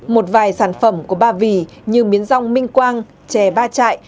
một vài sản phẩm của ba vì như miến rong minh quang chè ba chạy đã được đăng ký